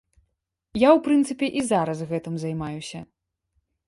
Я, у прынцыпе, і зараз гэтым займаюся.